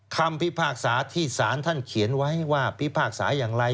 คำพิพากษาที่ศาลท่านเขียนไว้ว่าพิพากษาอย่างไร